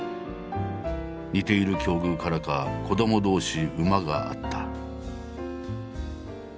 似ている境遇からか子ども同士馬が合った。